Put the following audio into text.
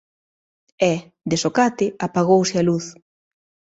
E, de socate, apagouse a luz